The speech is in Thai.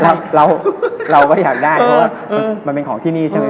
เราก็อยากได้เพราะว่ามันเป็นของที่นี่ใช่ไหม